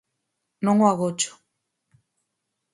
Non o agocho.